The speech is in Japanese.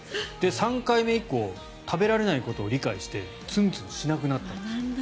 ３回目以降食べられないことを理解してツンツンしなくなった。